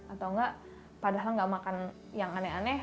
atau enggak padahal gak makan yang aneh aneh